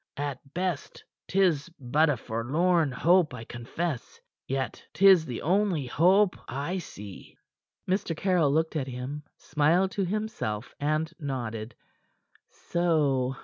At best 'tis but a forlorn hope, I confess; yet 'tis the only hope I see." Mr. Caryll looked at him, smiled to himself, and nodded. So!